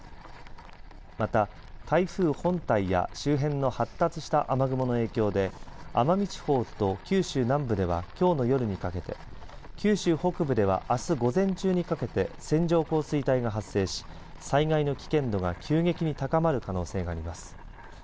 また台風本体や周辺の発達した雨雲の影響で奄美地方と九州南部ではきょうの夜にかけて九州北部ではあす午前中にかけて線状降水帯が発生し災害の危険度が急激に高まる可能性があります。